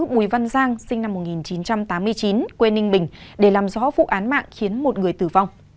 bùi văn giang sinh năm một nghìn chín trăm tám mươi chín quê ninh bình để làm rõ vụ án mạng khiến một người tử vong